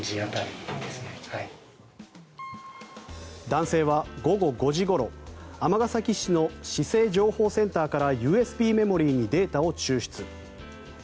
男性は、午後５時ごろ尼崎市の市政情報センターからＵＳＢメモリーにデータを抽出。